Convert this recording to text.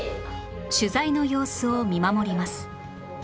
取材の様子を見守ります